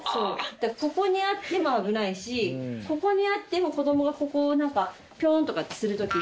ここにあっても危ないしここにあっても子どもがここをなんかピョーンとかってする時に。